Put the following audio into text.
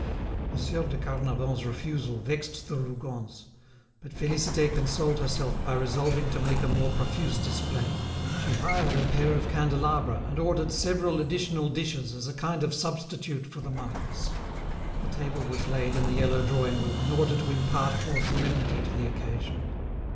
Monsieur de Carnavant's refusal vexed the Rougons; but Félicité consoled herself by resolving to make a more profuse display. She hired a pair of candelabra and ordered several additional dishes as a kind of substitute for the marquis. The table was laid in the yellow drawing room, in order to impart more solemnity to the occasion.